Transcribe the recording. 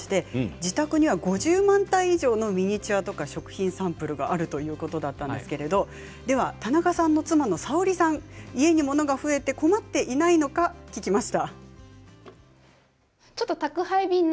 自宅には５０万体以上のミニチュアや食品サンプルがあるということだったんですけれど田中さんの妻の沙織さん、家に物が増えて困っていないのか聞きました。